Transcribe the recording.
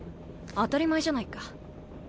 当たり前じゃないか。